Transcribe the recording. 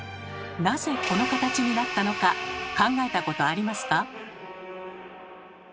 なぜこの形になったのか考えたことありますか？